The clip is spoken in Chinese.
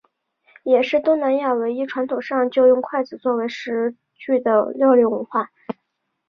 也是东南亚唯一传统上就用筷子作为食具的料理文化。